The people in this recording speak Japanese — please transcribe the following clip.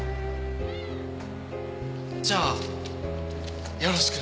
じゃあよろしく。